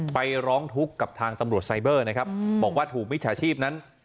ไปร้องทุกข์กับทางตำรวจไซเบอร์นะครับบอกว่าถูกมิจฉาชีพนั้น